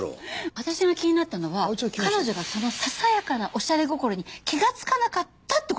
私が気になったのは彼女がそのささやかなおしゃれ心に気がつかなかったって事なんです。